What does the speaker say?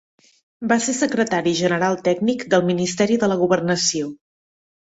Va ser secretari general tècnic del Ministeri de la Governació.